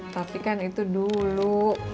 tapi kan itu dulu